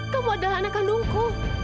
kamu adalah anak kandungku